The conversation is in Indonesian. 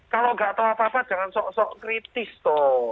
kalau nggak tahu apa apa jangan sok sok kritis tuh